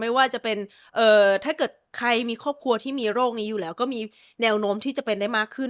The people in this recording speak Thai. ไม่ว่าจะเป็นถ้าเกิดใครมีครอบครัวที่มีโรคนี้อยู่แล้วก็มีแนวโน้มที่จะเป็นได้มากขึ้น